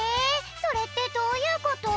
それってどういうこと？